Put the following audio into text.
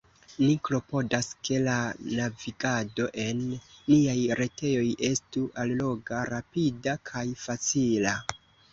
Ni klopodas, ke la navigado en niaj retejoj estu alloga, rapida kaj facila.